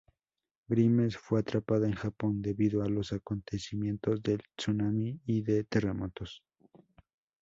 Grimes fue atrapada en Japón debido a los acontecimientos del tsunami y de terremotos.